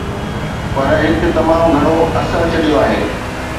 پر هڪ تمام گهرو اثر ڇڏيو آهي.